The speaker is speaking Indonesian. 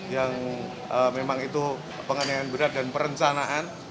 yang memang itu penganiayaan berat dan perencanaan